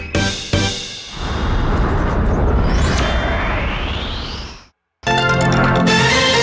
โปรดติดตามตอนต่อไป